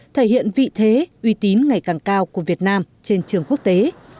thể hiện vị thế uy tín ngày càng cao của việt nam trên trường quốc tế